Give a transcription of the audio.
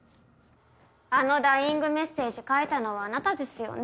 あのダイイングメッセージ書いたのはあなたですよね？